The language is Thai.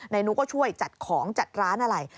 นุก็ช่วยจัดของจัดร้านอะไร